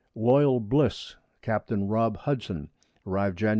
Loyal Bliss, Capt. Rob. Hudson, arriv'd _Jan.